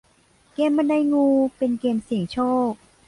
เกมส์บันไดงูเป็นเกมส์เสี่ยงโชค